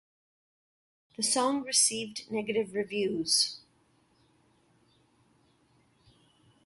The song received negative reviews.